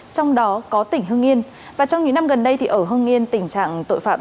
trong đó có tỉnh hương yên và trong những năm gần đây ở hương yên tình trạng tội phạm